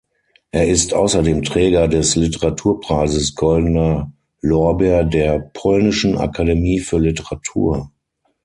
Er ist außerdem Träger des Literaturpreises „Goldener Lorbeer der Polnischen Akademie für Literatur“.